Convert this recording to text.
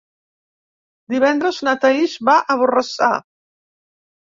Divendres na Thaís va a Borrassà.